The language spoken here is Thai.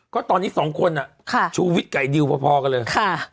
ก็ตอนนี้ส่วนคนน่ะชูฟิศกับไอดิวพอก็เลย